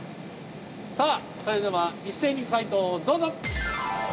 さあそれでは一斉に解答をどうぞ。